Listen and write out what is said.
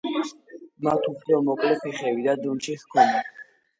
მათ უფრო მოკლე ფეხები და დრუნჩი ჰქონდათ.